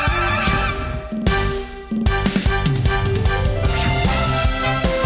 เม่บานพระจันทร์บ้าน